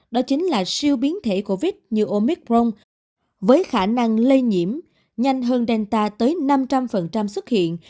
đó chính là siêu biến thể của vít như omicron với khả năng lây nhiễm nhanh hơn delta tới năm trăm linh xuất hiện